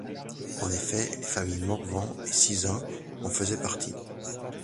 En effet, les familles Morvan et Sizun en faisaient partie.